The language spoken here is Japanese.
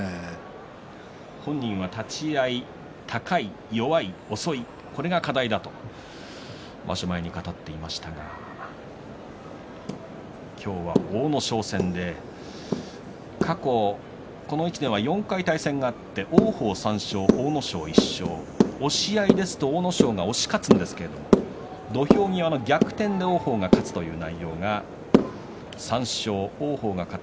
本人は立ち合い、高い弱い、遅いこれが課題だと場所前に語っていましたが今日は阿武咲戦で過去この１年は４回対戦があって王鵬、３勝阿武咲、１勝押し合いですと阿武咲が押し勝つんですけど土俵際の逆転で王鵬が勝つという内容が３勝。